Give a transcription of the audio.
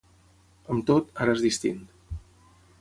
Amb tot, ara és distint.